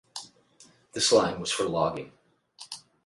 This line was for logging.